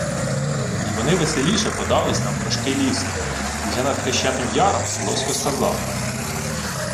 Й вони веселіше подались навпрошки лісом. Уже над Хрещатим Яром Лосько сказав: